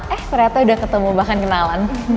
eh ternyata udah ketemu bahkan kenalan